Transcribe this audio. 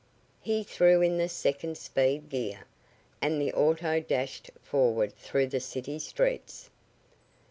He threw in the second speed gear, and the auto dashed forward through the city streets.